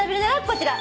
こちら。